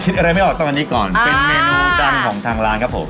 อะไรไม่ออกต้องอันนี้ก่อนเป็นเมนูดังของทางร้านครับผม